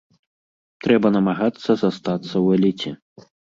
Трэба намагацца застацца ў эліце.